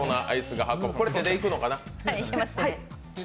これ手でいくのかな？